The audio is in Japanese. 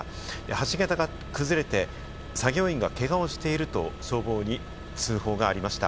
橋げたが崩れて作業員がけがをしていると消防に通報がありました。